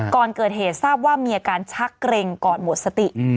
ก่อนเกิดเหตุทราบว่ามีอาการชักเกร็งก่อนหมดสติ